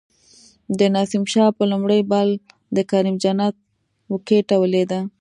د نسیم شاه په لومړی بال د کریم جنت وکټه ولویده